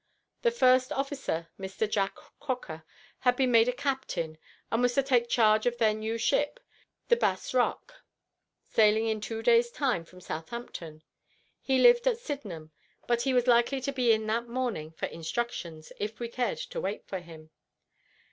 The first officer, Mr. Jack Croker, had been made a captain and was to take charge of their new ship, the BASS ROCK, sailing in two days' time from Southampton. He lived at Sydenham, but he was likely to be in that morning for instructions, if we cared to wait for him.